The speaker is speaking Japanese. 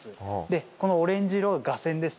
このオレンジ色が架線ですね。